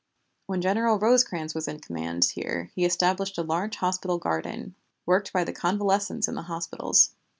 When General Rosecrans was in command here he established a large hospital garden, worked by the convalescents in the hospitals.